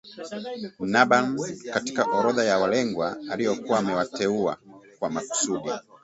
Nabhany katika orodha ya walengwa aliokuwa amewateua kwa makusudi